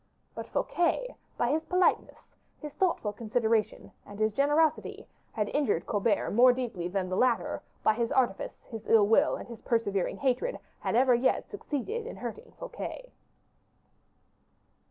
But Fouquet, by his politeness, his thoughtful consideration, and his generosity, had injured Colbert more deeply than the latter, by his artifice, his ill will, and his persevering hatred, had ever yet succeeded in hurting Fouquet.